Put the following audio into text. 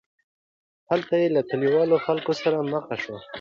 هلته یې له کلیوالو خلکو سره مخ شو.